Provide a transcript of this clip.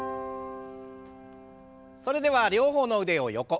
それでは両方の腕を横。